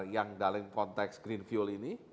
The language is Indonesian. yang dalam konteks green fuel ini